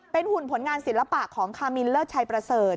เป็นหุ่นผลงานศิลปะของคามินเลิศชัยประเสริฐ